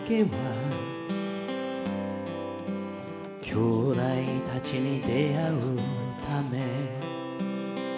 「きょうだいたちに出会うため」